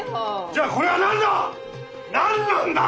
じゃあこれはなんだ！？